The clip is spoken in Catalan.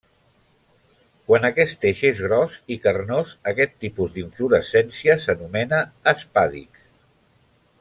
Quan aquest eix és gros i carnós aquest tipus d'inflorescència s'anomena espàdix.